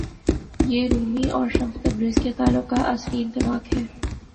یہ رومی اور Shams Tabriz کے تعلق کا عصری انطباق ہے۔